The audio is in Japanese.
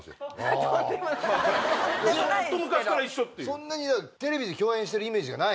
そんなにテレビで共演してるイメージがないから。